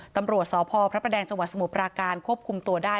ตำรวจสพพระประแดงจังหวัดสมุทรปราการควบคุมตัวได้